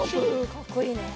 かっこいいね。